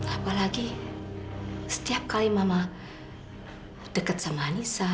apalagi setiap kali mama dekat sama anissa